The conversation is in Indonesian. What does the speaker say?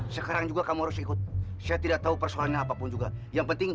sekarang juga kamu harus ikut saya tidak tahu persoalannya apapun juga yang penting